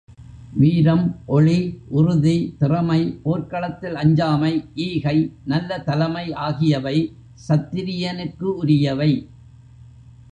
வீரம், ஒளி, உறுதி, திறமை, போர்க்களத்தில் அஞ்சாமை, ஈகை, நல்ல தலைமை ஆகியவை சத்திரியனுக்குரியவை.